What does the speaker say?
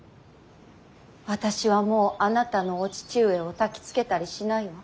私はもうあなたのお父上をたきつけたりしないわ。